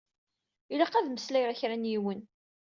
Ilaq ad meslayeɣ i kra n yiwen.